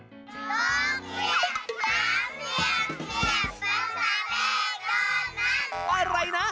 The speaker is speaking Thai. โรงเรียนขามเรียนเหมียบภาษาแรกก่อนนั้น